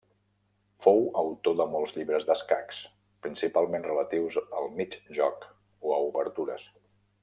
Fou autor de molts llibres d'escacs, principalment relatius al mig joc o a obertures.